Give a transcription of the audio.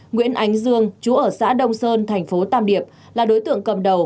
nguyễn ánh dương chú ở xã đông sơn thành phố tam điệp là đối tượng cầm đầu